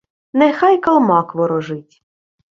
— Нехай калмак ворожить.